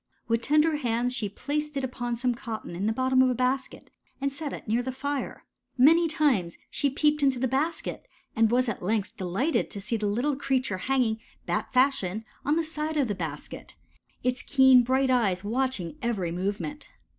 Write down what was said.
With tender hands she placed it upon some cotton in the bottom of a basket and set it near the fire. Many times she peeped into the basket and was at length delighted to see the little creature hanging bat fashion on the side of the basket, its keen, bright eyes watching every movement.